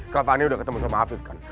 kak fani sudah ketemu sama afif kan